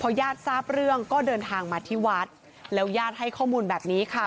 ญาติทราบเรื่องก็เดินทางมาที่วัดแล้วญาติให้ข้อมูลแบบนี้ค่ะ